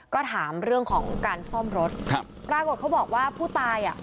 ก็ถามเรื่องของการซ่อมรถครับปรากฏเขาบอกว่าผู้ตายอ่ะ